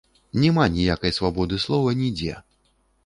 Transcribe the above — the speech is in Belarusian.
Няма ніякай свабоды слова нідзе.